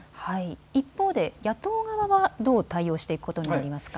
一方で野党側はどう対応していくことになりますか。